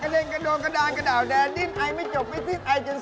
น่าเป็นยังไงบ้างตอนนี้อย่างไม่จบร้อยแล้ว